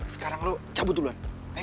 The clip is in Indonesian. sekarang lo cabut duluan